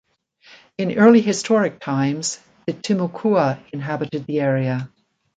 In early historic times, the Timucua inhabited the area.